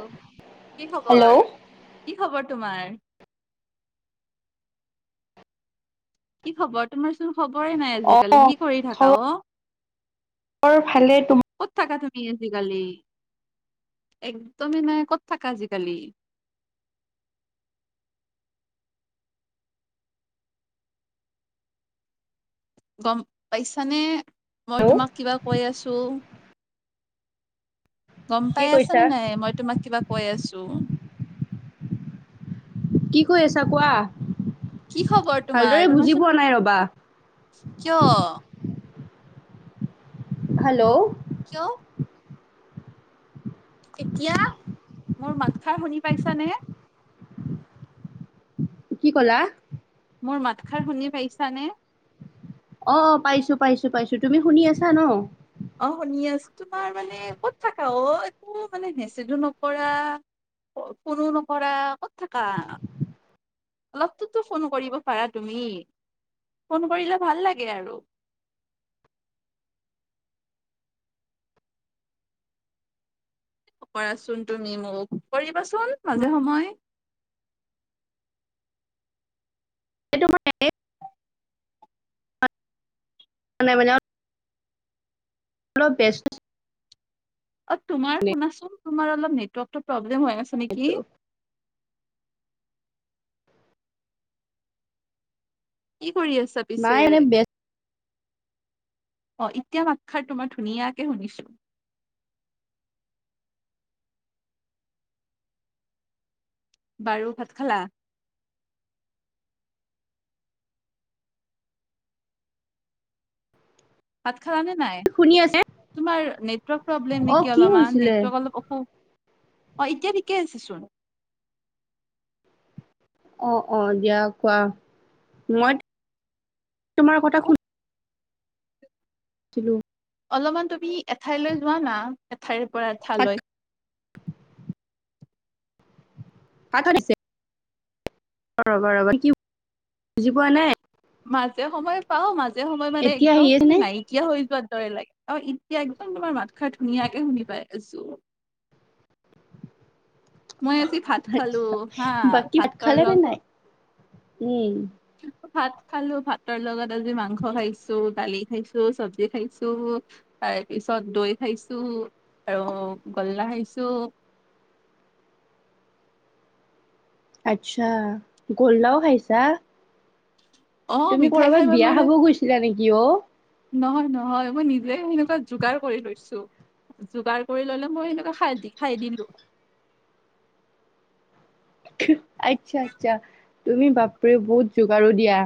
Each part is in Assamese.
অ কি হেল্ল' খবৰ কি খবৰ তোমাৰ? কি খবৰ তোমাৰচোন খবৰে নাই আজিকালি অ' কি কৰি থাকা অ। খবৰ ভালে তোমাৰ। ক'ত থাকা তুমি আজিকালি একদমেই নাই ক'ত থাকা আজিকালি। গম পাইছানে মই তোমাৰ? তোমাক কিবা কৈ আছোঁ। গম কি পাই আছা কৈছা? নে নাই মই তোমাক কিবা কৈ আছোঁ। কি কৈ আছা কোৱা কি খবৰ তোমাৰ ভালদৰে বুজি তোমাৰচোন পোৱা নাই ৰবা। কিয়? হেল্ল'। কিয়? এতিয়া, মোৰ মাতষাৰ শুনি পাইছা নে? কি ক'লা? মোৰ মাতষাৰ শুনি পাইছা নে? অ', অ', পাইছোঁ, পাইছোঁ, পাইছোঁ। তুমি শুনি আছা ন? অ', শুনি আছোঁ, তোমাৰ মানে ক'ত থাকা, অ'? একো মানে মেচেজো নকৰা ফোনো নকৰা, ক'ত থাকা? অলপতোটো ফোন কৰিব পাৰা তুমি, ফোন কৰিলে ভাল লাগে আৰু কৰাচোন, তুমি মোক কৰিবাচোন, মাজে সময়ে এইটো মই [unintelligible] মানে [unintelligible] অলপ ব্যস্ত অ', তোমাৰ শুনাচোন, তোমাৰ অলপ নেটৱৰ্কটো প্ৰব্লেম হৈ আছে নেকি? কি কৰি আছা পিছে? নাই মানে ব্যস্ত অ', এতিয়া মাতষাৰ তোমাৰ ধুনীয়াকে শুনিছোঁ। বাৰু, ভাত খালা? ভাত খালা নে নাই? শুনি আছে তোমাৰ নেটৱৰ্ক প্ৰব্লেম অ' নেকি কি অলপমান? হৈছিলে? নেটৱৰ্ক অলপ অসু অ', এতিয়া ঠিকেই আছে চোন। অ', অ', দিয়া, কোৱা, মই তোমাৰ কথা শুনি ছিলো অলপমান তুমি এঠাইলৈ যোৱা না, এঠাইৰ পৰা ভাত এঠাইলৈ মাত শুনিছে? অ', ৰ'বা ৰ'বা, [unintelligible] কি বুজি পোৱা নাই মাজে সময় পাও, মাজে সময় মানে, এতিয়া একদম আহি আছে তুমি নে? নাই কিয়া হৈ যোৱাৰ দৰে লাগে, অ', এতিয়া একদম তোমাৰ মাতষাৰ, ধুনীয়াকে শুনি পাই আছোঁ। মই আজি ভাত খালো হা, বাকী ভাত ভাতৰ খালে নে লগত নাই? উম ভাত খালো, ভাতৰ লগত আজি মাংস খাইছো, দালি খাইছো, চব্জি খাইছো তাৰ পিছত দৈ খাইছো, আৰু গুল্লা খাইছো। আচ্ছা, গুল্লাও খাইছা? অ তুমি মিঠাই খাই কৰবাত মই বিয়া মানে খাব গৈছিলা নেকি অ'? নহয়, নহয়, মই নিজে সেনেকুৱা যোগাৰ কৰি লৈছো। যোগাৰ কৰি ল'লে, মই সেনেকুৱা খাই দি, খাই দিলো। আচ্ছা, আচ্ছা, তুমি বাপৰে, বহুত যোগাৰো দিয়া।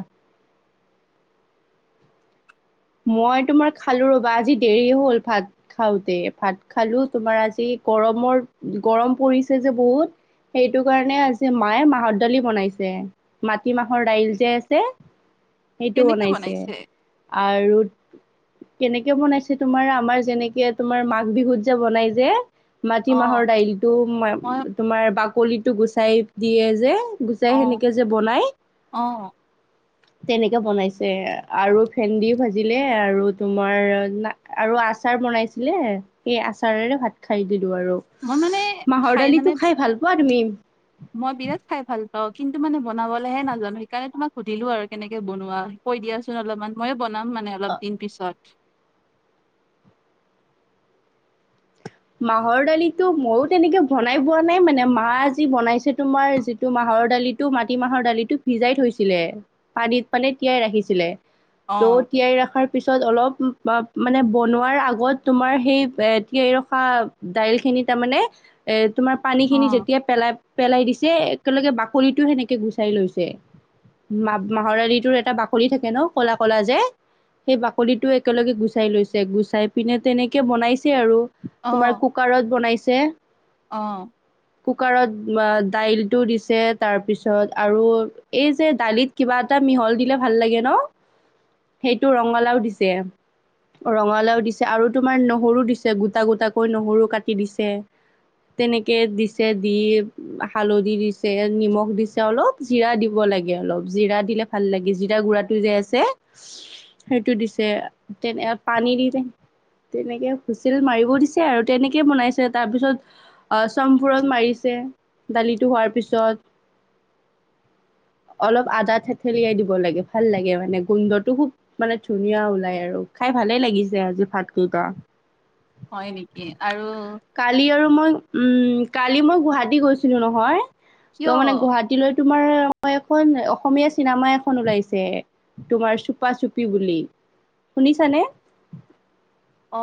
মই তোমাৰ খালো ৰ'বা, আজি দেৰি হ'ল ভাত খাওঁতেই, ভাত খালো তোমাৰ, আজি গৰমৰ, গৰম পৰিছে যে বহুত সেইটো কাৰণে, আজি মায়ে মাহৰ দালি বনাইছে মাটিমাহৰ দাইল যে আছে, সেইটো বনাইছে, আৰু কেনেকৈ বনাইছে তোমাৰ, আমাৰ যেনেকে তোমাৰ, মাঘ বিহুত যে, বনাই যে অ মাটিমাহৰ দাইলটো মই তোমাৰ, বাকলিটো গুচাই দিয়ে যে গুচাই অ সেনেকে যে বনাই, অ তেনেকে বনাইছে, আৰু ভেণ্ডি ভাজিলে আৰু তোমাৰ, আৰু আচাৰ বনাইছিলে সেই আচাৰেৰে ভাত খাই দিলো আৰু। মই মানে মাহৰ খাই মানে দালিটো খাই ভাল পোৱা তুমি? মই বিৰাট খাই ভাল পাওঁ, কিন্তু মানে বনাবলৈহে নাজানো, সেইকাৰণে তোমাক সুধিলো আৰু কেনেকে বনোৱা? কৈ দিয়াচোন অলপমান ময়ো বনাম মানে অলপ দিন পিছত। মাহৰ দালিটো মইও তেনেকে বনাই পোৱা নাই মানে মা আজি বনাইছে তোমাৰ যি টো মাহৰ দালিটো, মাটি মাহৰ দালিটো ভিজাই থৈছিলে পানীত পানে তিয়াই ৰাখিছিলে। অ ত তিয়াই ৰখাৰ পিছত অলপ মানে বনোৱাৰ আগত তোমাৰ সেই পা দাইল খিনি তাৰমানে এ তোমাৰ পানী অ খিনি যেতিয়া পেলাই পেলাই দিছে, একেলগে বাকলিটো তেনেকে গুচাই লৈছে। মা মাহৰ দালিটোৰ এটা বাকলি থাকে ন, কলা কলা যে। সেই বাকলিটো একেলগে গুচাই লৈছে গুচাই পিনে তেনেকে বনাইছে আৰু। তোমাৰ কুকাৰত বনাইছে। অঁ কুকাৰত দাইলটো দিছে তাৰপিছত আৰু এই যে দালিত কিবা এটা মিহল দিলে ভাল লাগে ন? সেইটো ৰঙালাও দিছে ৰঙালাও দিছে আৰু তোমাৰ নহৰু দিছে গো টা গোটাকৈ নহৰু কাটি দিছে তেনেকৈ দিছে দি হালধি দিছে নিমখ দিছে অলপ জিৰা দিব লাগে অলপ জিৰা দিলে ভাল লাগে জিৰাৰ গুৰাটো যে আছে সেইটো দিছে তেনে পানী দি তেনেকে হুইচেল মাৰি ব দিছে আৰু তেনেকৈ বনাইছে তাৰপিছত অ চমফুৰত মাৰিছে দালিটো হোৱাৰ পিছত। [inaudible] অলপ আদা থেতেলিয়াই দিব লাগে। ভাল লাগে মানে গোন্ধটো খুব মানে ধুনীয়া ওলাই আৰু খাই ভালে লাগিছে আজি ভাত কেইটা। হয় নেকি? আৰু কালি আৰু মই উম কালি মই গুৱাহাটী গৈছিলো নহয় কিয় ত মানে গুৱা হাটী এতি লৈ তোমাৰ এখন অসমীয়া চিনেমা এখন ওলাইছে। তোমাৰ চুপা চুপি বুলি শুনিছানে?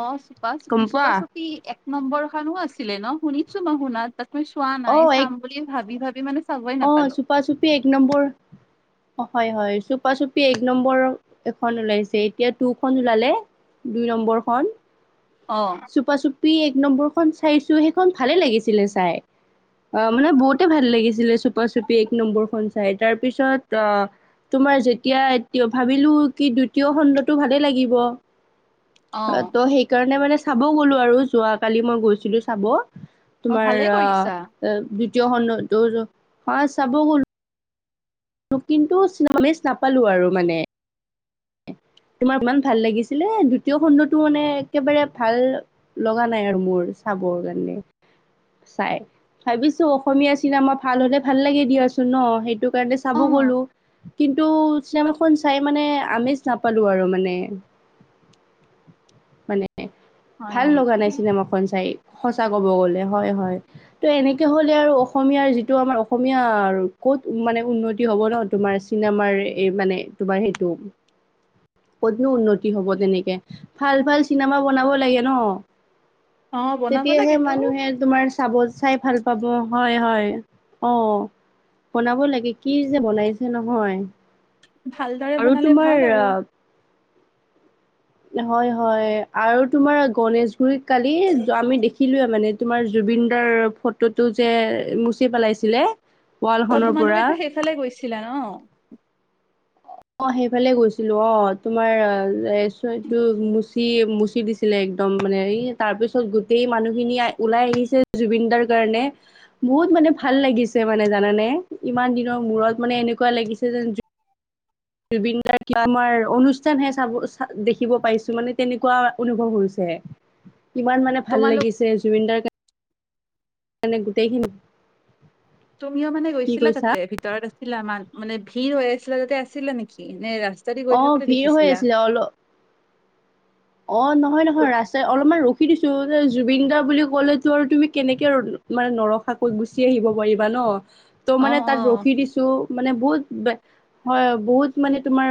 অ চুপা গম চুপি পোৱা? চুপা চুপি এক নম্বৰ খানো আছিলে ন? শুনিছো মই শুনা তু চোৱা অ নাই, এক চাম বুলি ভাবি ভাবি মানে চাবই অ নাপালো। চুপা চুপি এক নম্বৰ হয় হয়, চুপা চুপি এক নম্বৰ এখন ওলাইছে। এতিয়া টুখন ওলালে। দুই নম্বৰখন। অহ চুপা চুপি এক নম্বৰখন চাইছো, সেইখন ভালে লাগিছিলে চাই। অ মানে বহুতে ভাল লাগিছিলে চুপা চুপি এক নম্বৰখন চাই তাৰপিছত আহ তোমাৰ যেতিয়া এতিয়া ভাবিলো কি, দ্বিতীয় খণ্ডটো ভালে লাগিব। অ অ ত সেই সেইকাৰণে মানে চাব গ'লো আৰু যোৱ কালি মই গৈছিলো চাব, অ তোমাৰ ভালেই কৰিছা আহ এ দ্বিতীয় খণ্ড হা চাব গ'লো কিন্তু নাপালো আৰু মানে। তোমাৰ ইমান ভাল লাগিছিলে, এ দ্বিতীয় খণ্ডটো মানে একেবাৰে ভাল লগা নাই আৰু মোৰ চাবৰ কাৰণে চাই। ভাবিছো অসমীয়া চিনেমা ভাল হলে ভাল লাগে দিয়াচোন ন সেইটো কাৰণে চাব অ গলো। কিন্তু চিনেমাখন চাই মানে আমেজ চাই পালো আৰু মানে, মানে হয় ভাল লগা নেকি নাই চিনেমাখন চাই ঋণ, সঁচা ক'ব গলে হয় হয়। ত এনেকে হ'লে আৰু অসমীয়াৰ যিটো আমাৰ অসমীয়া ক'ত মানে উন্নতি হ'ব ন, তোমাৰ চিনেমাৰ এই মানে তোমাৰ সেইটো। কতনো উন্নতি হব তেনেকে। ভাল ভাল চিনেমা বনাব লাগে ন। অ বনাব তেতিয়াহে লাগেতো মানুহে তোমাৰ চাব চাই ভাল পাব, হয় হয় অঁ। বনাব লাগে, কি যে বনাইছে নহয়? ভালদৰে আৰু বনালে তোমাৰ ভাল আৰু। হয় হয় আৰু তোমাৰ গণেশগুৰিত কালি আমি দেখি দেখিলোয়ে মানে, তোমাৰ জুবিনদাৰ ফটোটো যে মুচি পেলাইছিলে। ৱাল অ খনৰ পৰা তোমালোকেতো সেইফালে গৈছিলা ন। অঁ, সেইফালে গৈছিলো অঁ তোমাৰটো মুচি মুচি দিছিল। ছিলে একদম মানে তাৰ পিছত গোটেই মানুহখিনি ওলাই আহিছে, জুবিন দাৰ কাৰণে। বহুত মানে ভাল লাগিছে মানে জানানে, ইমান দিনৰ মূৰত মানে এনেকুৱা লাগিছে যেন। জুবিনদাৰ তুমাৰ অনুষ্ঠান হে চাব দেখিব পাইছো মানে, তেনেকুৱা অনুভৱ হৈছে। [inaudible] ইমান মানে ভাল তোমালোক লাগিছে, জুবিনদাৰ মানে গোটেইখিনি তুমিও মানে কি গৈছিলা কৈছা তাতে, ভিতৰত আছিলা আমাৰ মানে ভিৰ হৈ আছিলা তাতে আছিলা নেকি নে ৰাস্তা। ৰাস্তা দি গৈ অ থাকোতে ভিৰ হৈ দেখিছিলা। অঁ নহয় নহয় ৰ- ৰাস্ত অলপমান ৰখি দিছো জুবিন গাৰ বুলি কলেতো আৰু তুমি কেনেকে ন মানে নৰখাকৈ গুচি আহিব পাৰিবা ন, ত অ মানে তাত অ ৰখি দিছো ত মানে বহুত হয় বহুত মানে তোমাৰ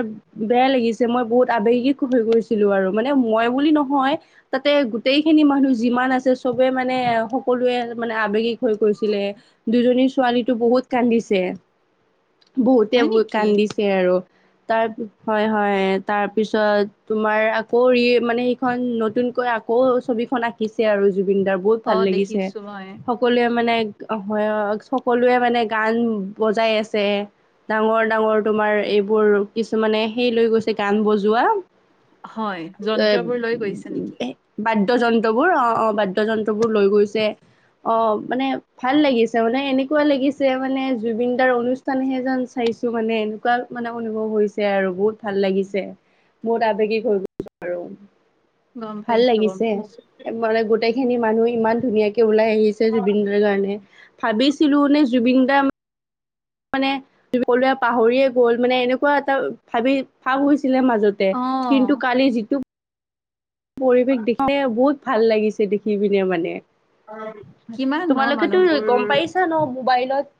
বেয়া লাগিছে মই বহুত আৱেগিক হৈ গৈছিলো আৰু। মানে মই বুলি নহয় তাতে গোটেই খিনি মানুহ যিমান আছে চবে মানে সকলোৱে মানে আবেগিক হৈ গছিলে দুজনী ছোৱালীতো বহুত কান্দিছে বহুতে হয় নেকি কান্দি ছে আৰু তাৰ হয় হয় তাৰপিছত তোমাৰ আকৌ মানে ৰি সেই খন নতুনকৈ আকৌ ছবিখন আঁকিছে আৰু জুবিনদাৰ। বহুত অ ভাল লাগিছে। দেখিছো মই সকলোৱে মানে হয় সকলোৱে মানে গান বজাই আছে। ডাঙৰ ডাঙৰ তোমাৰ এইবোৰ কিছুমানে সেই লৈ গৈছে গান বজোৱা। হয়, এ যন্ত্ৰ বোৰ লৈ গৈছে নেকি? বাদ্যযন্ত্ৰবোৰ অঁ অ বাদ্যযন্ত্ৰবোৰ লৈ গৈছে। অঁ মানে ভাল লাগিছে মানে এনেকুৱা লাগিছে মানে জুবিনদাৰ অনু ষ্ঠানহে চাইছো মানে এনেকুৱা মানে অনুভৱ হৈছে আৰু বহুত ভাল লাগিছে। বহুত আবেগিক হৈ গৈছো আৰু, গম ভাল পাইছো গম লাগিছে। পাইছো মানে গোটেই খিনি মানুহ ইমান ধুনীয়াকে ওলাই আহিছে জুবিন দাৰ কাৰণে, ভাবিছিলো নে জুবিন দাৰ মানে সকলোৱে পাহৰিয়ে গ'ল মানে, এনেকুৱা এটা ভাবি ভাগ হৈছিলে। মাজতে অ কিন্তু কালি যিটো পৰিৱেশ দেখে বহুত ভাল লাগিছে দেখি পিনে মানে। কিমান ন তোমালোকেতো মানুহবোৰ গম পাইছা ন মোবাইলত।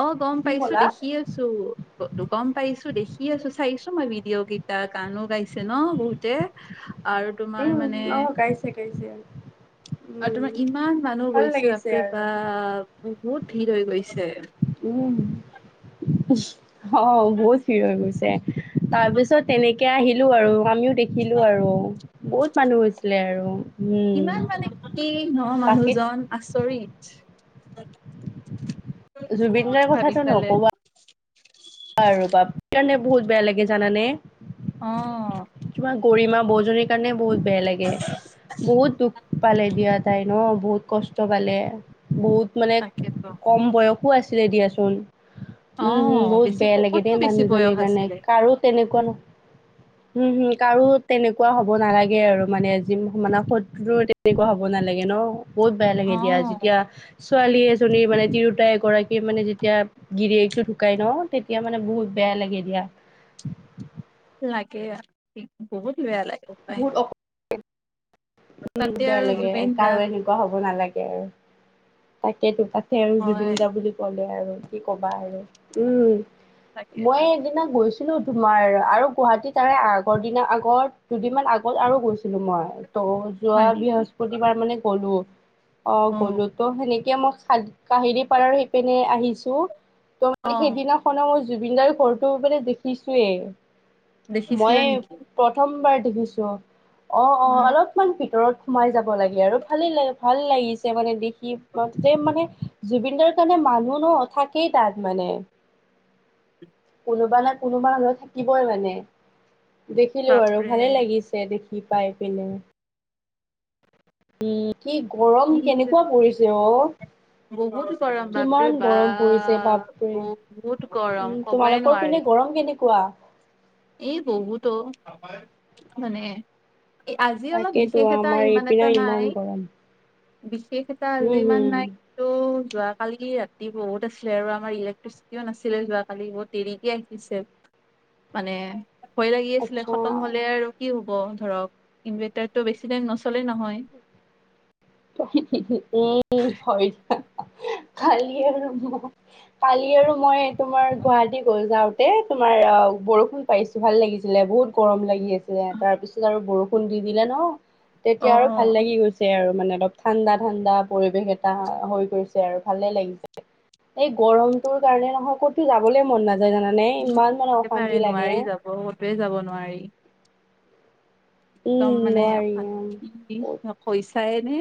অঁ গম কি পাইছো ক'লা দেখি আছো। গম পাইছো দেখি আছো চাইছো মই ভিডিঅ' কেইটা গানো গাইছে ন বহুতে। আৰু তোমাৰ উম মানে আহ গাইছে গাইছে। আৰু উম তোমাৰ ইমান মানুহ ভাল গৈছে লাগিছে বাপেৰে আৰু বাপ বহুত ভিৰ হৈ গৈছে। উম। অ বহুত ভিৰ হৈ গৈছে তাৰপিছত তেনেকে আহিলো আৰু আমিও দেখিলো আৰু বহুত মানুহ হৈছিলে আৰু ইমান মানে কি উম ন তাকে মানুহজন আচৰিত জুবিন দাৰ ভাবি কথাটো চালে। নকবা আৰু বাপ কাৰণে বহুত বেয়া লাগে জানানে। অ। তোমাৰ গৰিমা বৌজনীৰ কাৰণে বহুত বেয়া লাগে। বহুত দুখ পালে দিয়া তাই ন বহুত কষ্ট পালে বহুত মানে তাকেতো কম বয়সো আছিলে দিয়াচোন। অ উম হম বেছি ক'তনো বেছি বয়স আছিলে? আৰু তেনেকুৱা নহয় [unintelligible] হম হম কাৰো তেনেকুৱা হ'ব নালাগে আৰু মানে যি মানে শত্ৰুৰো তেনেকুৱা হ'ব নালাগে ন। বহুত বেয়া অ লাগে দিয়া যেতিয়া ছোৱালী এজনীৰ মানে তিৰোতা এগৰাকীয়ে মানে যেতিয়া গিৰিয়েকটো ঢুকাই ন তেতিয়া তেতিয়া মানে বহুত বেয়া লাগে দিয়া। লাগে বহুত বেয়া লাগে। উপায় বহুত অক বহুত তাতে বেয়া আৰু লাগে জুবিন দা কাৰো এনেকুৱা হ'ব নালাগে আৰু। তাকেইেতো তাতে আৰু জুবিন হয় দা বুলি ক'লে আৰু কি ক'বা আৰু উম। মই তাকেতো একদিনা গৈছো তোমাৰ আৰু গুৱাহাটীত ত আগৰ দিন আগত দুদিন মান আগত আৰু গৈছিলো মই। ত যোৱা হয় নেকি বৃহস্পতিবাৰ মানে গলো অ গ'লো ত' সেনেকে মই কালি কাহিলী পাৰাৰ সি পিনে আহিছো। ত অ মানে সেইদিনাখনেও জুবিন দাৰ ঘৰটো মানে দেখিছোৱেই। মই দেখিছিলা নেকি প্ৰথমবাৰ দেখিছো অ অ অলপমান ভিতৰত সোমাই যাব লাগে আৰু ভালেই লাগ ভাল লাগিছে মানে দেখি [inaudible] মানে জুবিন দাৰ কাৰণে মানুহ ন থাকেই তাত মানে। কোনোবা নহয় কোনোবা ধৰ থাকিবই মানে। দেখিলো বাৰু বাপৰে ভালে লাগিছে দেখি পাই পিনে। উম কি গৰম কি যে কেনেকুৱা পৰিছে অ? বহুত গৰম বাপৰে কিমান গৰম পৰিছে বাপ বাপৰে বহুত গৰম উম কবই তোমালোকৰ নোৱাৰি পিনে গৰম কেনেকোৱা? কোৱা? এই বহুত অ মানে আজি অলপ তাকেতো বিশেষ এটা আমাৰ ইমান এটা এইপিনেও ইমান নাই। গৰম। বিশেষ এটা উম আজিমান হম নাই তো যোৱ কালি ৰাতি বহুত আছিলে আৰু আমাৰ ইলেক্ট্ৰিচিটিও নাছিলে যোৱাকালি বহুত দেৰিকে আহিছে। মানে ভয় লাগি আছিলে আচ্ছা খতম হলে আৰু কি হ'ব ধৰক ইনভাৰটাৰটো বেছি টাইম নচলেই নহয়। উম হয়। কালি আৰু মই কালি আৰু মই তোমাৰ গুৱাহাটী গল যাওঁ। এই তোমাৰ অ বৰষুণ পাইছো ভাল লাগিছিলে বহুত গৰম লাগি আছিলে তাৰপিছত আৰু বৰষুণ দি দিলে ন অ তেতিয়া আৰু ভাল লাগি গৈছে আৰু মানে অলপ ঠাণ্ডা ঠাণ্ডা পৰিবেশ এটা হৈ গৈছে আৰু ভালে লাগিছে এই গৰমটোৰ কাৰণে নহয় ক'তো যাবলে মন নাযায় জানানে ইমান মানে অশান্তি লাগে অ কতোৱে যাব নোৱাৰি একদম উম মানে অ নোৱাৰি উম শান্তি নকৈছাই নে